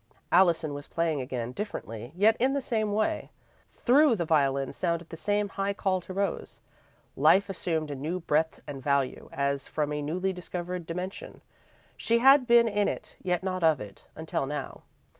Allison was playing again, differently, yet in the same way. Through the violin sounded the same high call to Rose. Life assumed a new breadth and value, as from a newly discovered dimension. She had been in it, yet not of it, until now.